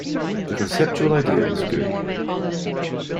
The conceptual idea was good.